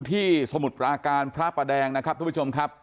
สมุทรปราการพระประแดงนะครับทุกผู้ชมครับ